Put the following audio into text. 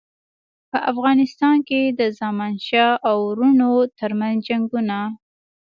په افغانستان کې د زمانشاه او وروڼو ترمنځ جنګونه.